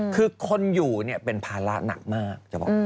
คือคนอยู่เนี่ยเป็นภาระหนักมากจะบอก